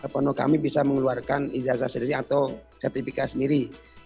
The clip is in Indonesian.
pono kami bisa mengeluarkan ijazah sendiri atau sertifikat sendiri